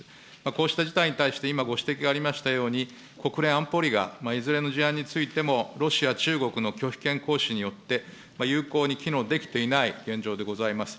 こうした事態に対して、今、ご指摘がありましたように、国連安保理がいずれの事案についても、ロシア、中国の拒否権行使によって、有効に機能できていない現状でございます。